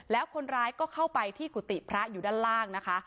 แล้วคนร้ายก็เข้าไปที่กุฏิพระอยู่ด้านล่างนะคะ